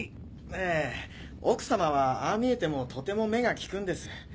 ええ奥様はああ見えてもとても目が利くんです。